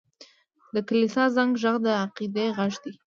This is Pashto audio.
د کلیسا زنګ ږغ د عقیدې غږ دی.